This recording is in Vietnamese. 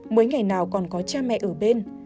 mấy ngày nào còn có cha mẹ ở bên